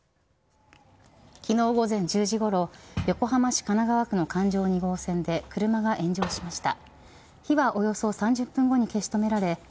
昨日、午前１０時ごろ横浜市神奈川区の環状２号線で車が炎上しました。